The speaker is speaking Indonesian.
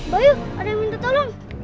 bayu ada yang minta tolong